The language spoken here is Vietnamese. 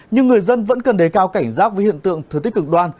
nhưng người dân vẫn cần đề cao cảnh giác với hiện tượng thừa tích cực đoan